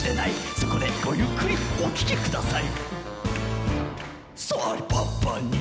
そこでごゆっくりお聞きください。